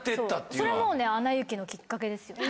それもうね『アナ雪』のきっかけですよね。